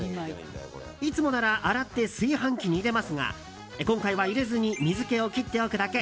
いつもなら洗って炊飯器に入れますが今回は入れずに水気を切っておくだけ。